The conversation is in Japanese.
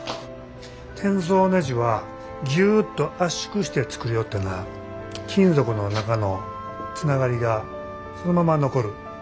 転造ねじはギュッと圧縮して作るよってな金属の中のつながりがそのまま残る。